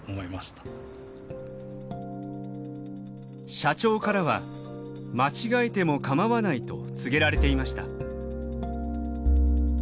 社長からは間違えてもかまわないと告げられていました。